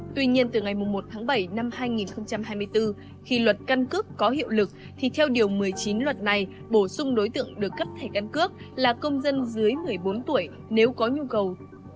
tuy nhiên từ ngày một tháng bảy năm hai nghìn hai mươi bốn khi luật căn cước có hiệu lực thì theo điều một mươi chín luật này bổ sung đối tượng được cấp thẻ căn cước là công dân dưới một mươi bốn tuổi nếu có nhu cầu